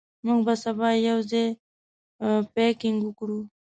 موږ به سبا یو ځای پکنیک وکړو.